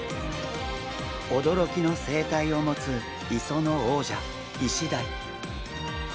おどろきの生態を持つ磯の王者イシダイ。